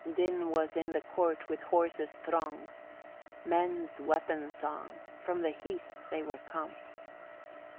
Din was in the court with horses thronged, men's weapon song, from the heath they were come.